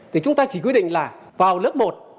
thì chúng ta chỉ quy định là vào lớp một